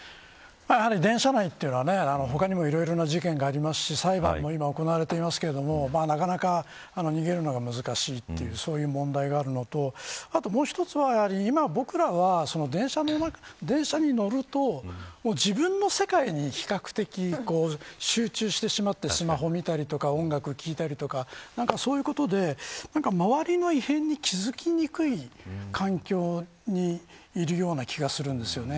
やはり電車内というのは他にもいろんな事件がありますし裁判も今、行われていますけどなかなか逃げるのが難しいという問題があるのとあともう一つは今、僕らは電車に乗ると自分の世界に比較的集中してしまってスマホを見たり音楽を聴いたりとかそういうことで周りの異変に気付きにくい環境にいるような気がするんですよね。